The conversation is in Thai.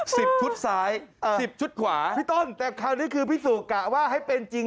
ชุดซ้ายอ่าสิบชุดขวาพี่ต้นแต่คราวนี้คือพี่สุกะว่าให้เป็นจริง